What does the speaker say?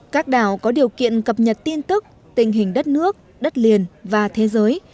các đảo có điều kiện cập nhật tin tức tình hình đất nước đất liền và thế giới